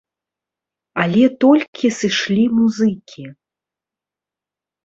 Але толькі сышлі музыкі.